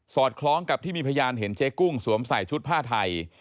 คล้องกับที่มีพยานเห็นเจ๊กุ้งสวมใส่ชุดผ้าไทย